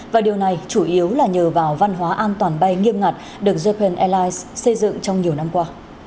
và điều này chủ yếu là nhờ vào văn hóa an toàn bay nghiêm ngặt được japan airlines xây dựng trong nhiều năm qua